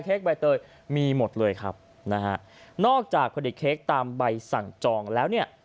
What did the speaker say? ใบเตยมีหมดเลยครับนะฮะนอกจากผลิตเค้กตามใบสั่งจองแล้วเนี่ย